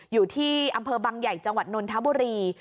อยู่ที่อำเภอบังใหญ่จังหวัดนนทบุรี